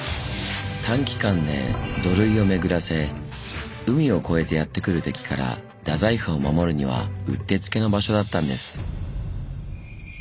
短期間で土塁を巡らせ海を越えてやって来る敵から大宰府を守るにはうってつけの場所だったんです。